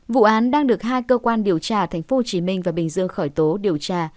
vụ án đang được hai cơ quan điều tra tp hcm và bình dương khởi tố điều tra